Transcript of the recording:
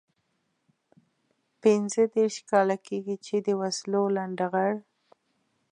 پنځه دېرش کاله کېږي چې د وسلو لنډه غر.